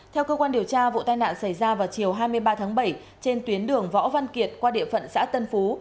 theo cơ quan điều tra vụ tai nạn xảy ra vào chiều hai mươi ba tháng bảy trên tuyến đường võ văn kiệt qua địa phận xã tân phú